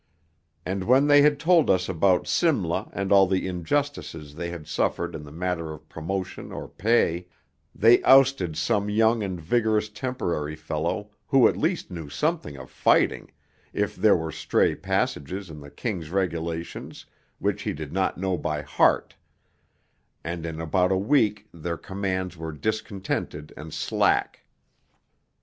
And when they had told us about Simla and all the injustices they had suffered in the matter of promotion or pay, they ousted some young and vigorous Temporary fellow who at least knew something of fighting, if there were stray passages in the King's Regulations which he did not know by heart; and in about a week their commands were discontented and slack.